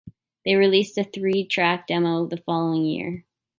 They released a three track demo the following year.